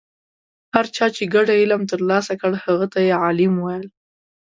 هر چا چې ګډ علم ترلاسه کړ هغه ته یې عالم ویل.